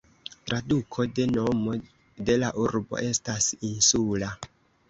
Traduko de nomo de la urbo estas "insula".